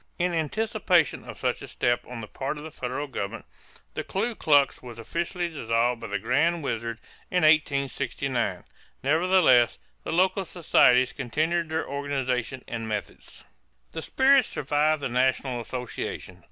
In anticipation of such a step on the part of the federal government, the Ku Klux was officially dissolved by the "Grand Wizard" in 1869. Nevertheless, the local societies continued their organization and methods. The spirit survived the national association.